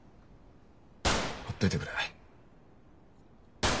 ほっといてくれ。